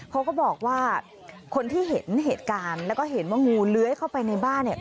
เขาก็บอกว่าคนที่เห็นเหตุการณ์แล้วก็เห็นว่างูเลื้อยเข้าไปในบ้านเนี่ย